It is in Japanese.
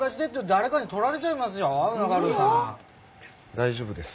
大丈夫です。